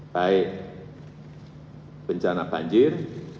baik bencana banjir